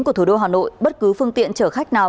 của thủ đô hà nội bất cứ phương tiện chở khách nào